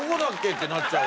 ってなっちゃう。